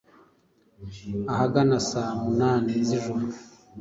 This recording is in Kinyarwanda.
ahagana saa munani z’ijoro